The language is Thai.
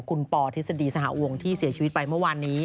คุณปทฤษฎีสหวงที่เสียชีวิตไปเมื่อวานนี้